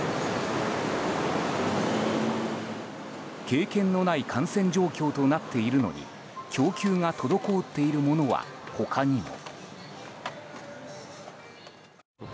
経験のない感染状況となっているのに供給が滞っているものは他にも。